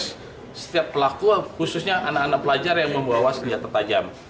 setiap pelaku khususnya anak anak pelajar yang membawa senjata tajam